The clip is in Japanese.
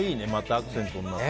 アクセントになって。